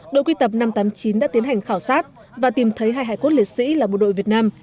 đội quy tập năm trăm tám mươi chín đã tiến hành khảo sát và tìm thấy hai hải cốt liệt sĩ là bộ đội việt nam